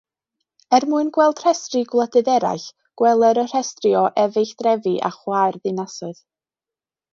Er mwyn gweld rhestri gwledydd eraill, gweler y rhestri o efeilldrefi a chwaerddinasoedd.